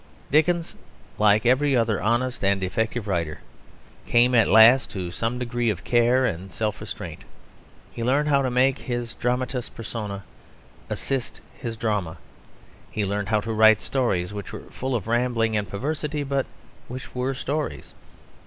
Dickens, like every other honest and effective writer, came at last to some degree of care and self restraint. He learned how to make his dramatis personæ assist his drama; he learned how to write stories which were full of rambling and perversity, but which were stories.